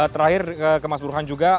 terakhir ke mas burhan juga